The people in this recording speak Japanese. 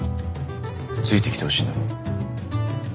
ついてきてほしいんだろ？